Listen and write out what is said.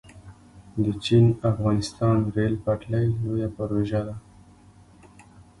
د چین - افغانستان ریل پټلۍ لویه پروژه ده